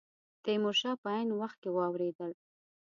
تیمور شاه په عین وخت کې واورېدل.